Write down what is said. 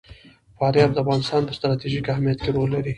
فاریاب د افغانستان په ستراتیژیک اهمیت کې رول لري.